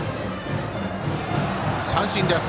三振です。